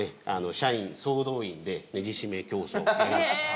社員総動員でネジ締め競争をやります。